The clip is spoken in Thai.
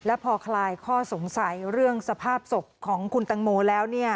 และพอคลายข้อสงสัยเรื่องสภาพศพของคุณตังโมแล้ว